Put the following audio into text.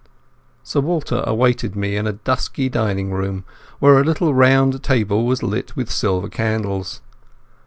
Sir Walter awaited me in a dusky dining room where a little round table was lit with silver candles.